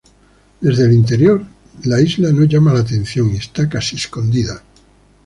Desde el interior la isla no llama la atención y está casi escondida.